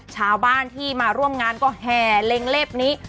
ชาวบ้านที่มาร่วมงานก็แห่เล็งเล็บนี้